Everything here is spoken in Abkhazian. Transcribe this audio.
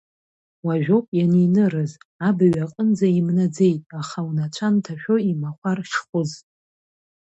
Уажәоуп ианинырыз, абаҩ аҟынӡа имнаӡеит, аха унацәа нҭашәо имахәар шхәыз.